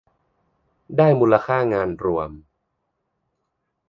ได้มูลค่างานรวม